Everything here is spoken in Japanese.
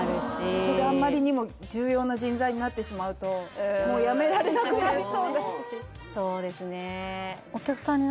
そこであんまりにも重要な人材になってしまうとやめられなくなりそうだしうんそうですね